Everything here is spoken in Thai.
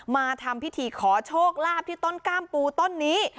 มาทำพิธีขอโชคลาภที่ต้นกล้ามปูต้นนี้